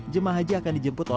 jemaah haji akan dijembatkan